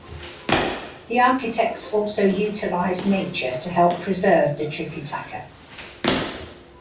The architects also utilized nature to help preserve the Tripitaka.